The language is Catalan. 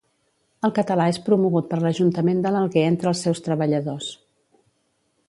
El català és promogut per l'Ajuntament de l'Alguer entre els seus treballadors.